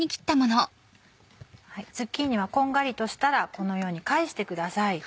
ズッキーニはこんがりとしたらこのように返してください。